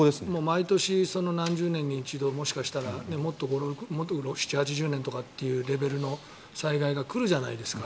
毎年、何十年に一度とかもしかしたらもっと７０８０年くらいというレベルの災害が来るじゃないですか。